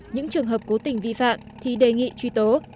những trường hợp cố tình vi phạm thì đề nghị truy tố